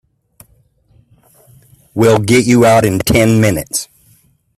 We'll get you out in ten minutes.